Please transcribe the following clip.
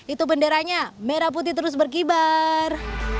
itu benderanya merah putih terus berkibar